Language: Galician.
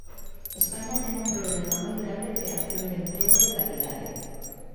España ten un problema moi grave de creación de emprego de calidade.